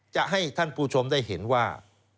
จะให้ท่านผู้ชมได้เห็นว่า